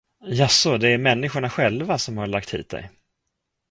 Jaså, det är människorna själva, som har lagt hit dig.